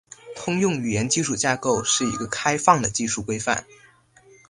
通用语言基础架构是一个开放的技术规范。